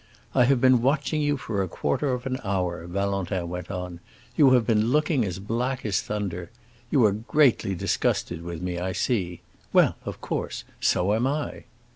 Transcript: "I have been watching you for a quarter of an hour," Valentin went on; "you have been looking as black as thunder. You are greatly disgusted with me, I see. Well, of course! So am I!"